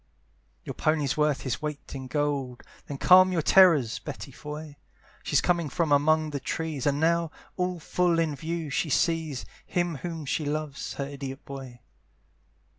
Your pony's worth his weight in gold, Then calm your terrors, Betty Foy! She's coming from among the trees, And now, all full in view, she sees Him whom she loves, her idiot boy.